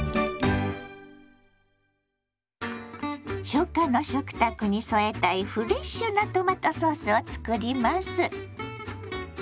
初夏の食卓に添えたいフレッシュなトマトソースを作ります。